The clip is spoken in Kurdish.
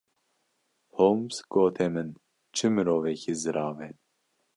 Holmes, gote min: Çi mirovekî zirav e.